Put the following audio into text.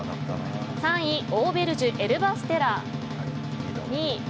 ３位オーベルジュエルバステラ。